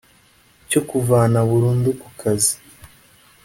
cyo kuvana burundu kukazi